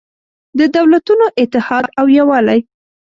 د دولتونو اتحاد او یووالی